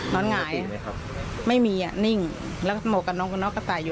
นอนหงายไหมครับไม่มีอ่ะนิ่งแล้วก็เหมาะกับน้องน้องกระต่ายอยู่